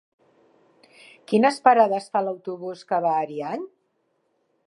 Quines parades fa l'autobús que va a Ariany?